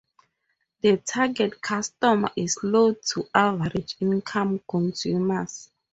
The target customer is low-to-average income consumers.